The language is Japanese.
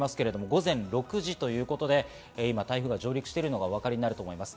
午前６時ということで、台風が上陸しているのがわかります。